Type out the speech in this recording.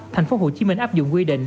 thành phố hồ chí minh áp dụng quy định